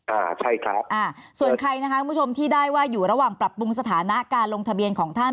อ่าใช่ครับอ่าส่วนใครนะคะคุณผู้ชมที่ได้ว่าอยู่ระหว่างปรับปรุงสถานะการลงทะเบียนของท่าน